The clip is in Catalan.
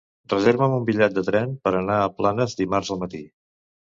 Reserva'm un bitllet de tren per anar a Planes dimarts al matí.